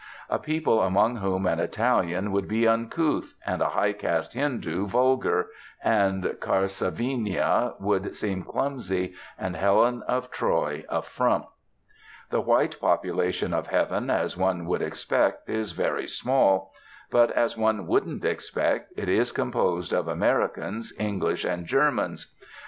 A people among whom an Italian would be uncouth, and a high caste Hindu vulgar, and Karsavina would seem clumsy, and Helen of Troy a frump. The white population of Heaven, as one would expect, is very small; but, as one wouldn't expect, it is composed of Americans, English, and Germans.